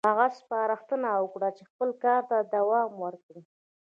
هغه سپارښتنه وکړه چې خپل کار ته دوام ورکړي.